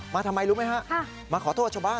มีรถเก๋งแดงคุณผู้ชมไปดูคลิปกันเองนะฮะ